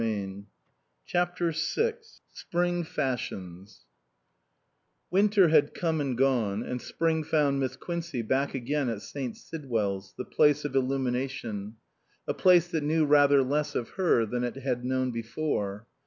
248 CHAPTER VI SPRING FASHIONS WINTER had come and gone, and spring found Miss Quincey back again at St. Sidwell's, the place of illumination ; a place that knew rather less of her than it had known before.